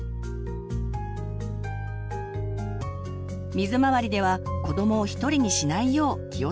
水回りでは子どもを一人にしないよう気をつけましょう。